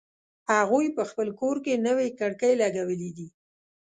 هغوی په خپل کور کی نوې کړکۍ لګولې دي